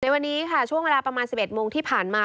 วันนี้ค่ะช่วงเวลาประมาณ๑๑โมงที่ผ่านมา